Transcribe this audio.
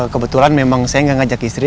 kebetulan memang saya nggak ngajak istri